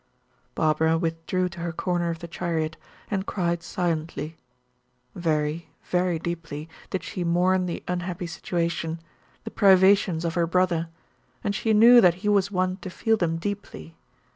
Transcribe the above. Barbara withdrew to her corner of the chariot, and cried silently. Very, very deeply did she mourn the unhappy situation the privations of her brother; and she knew that he was one to feel them deeply.